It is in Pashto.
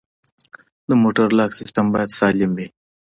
د موټر لاک سیستم باید سالم وي.